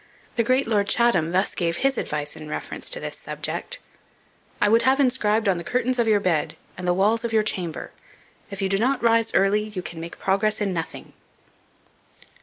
The great Lord Chatham thus gave his advice in reference to this subject: "I would have inscribed on the curtains of your bed, and the walls of your chamber, 'If you do not rise early, you can make progress in nothing.'"